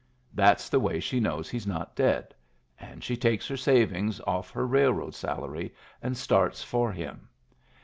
That's the way she knows he's not dead, and she takes her savings off her railroad salary and starts for him.